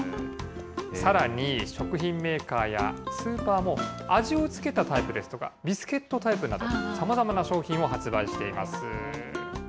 さらに、食品メーカーやスーパーも、味を付けたタイプですとか、ビスケットタイプなど、さまざまな商品を発売しています。